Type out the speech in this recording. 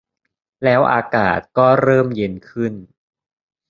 แล้วอากาศก็เริ่มเย็นขึ้น